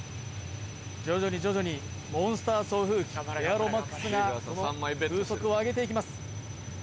徐々に徐々にモンスター送風機エアロ★ＭＡＸがその風速を上げていきます